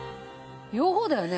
両方だよね。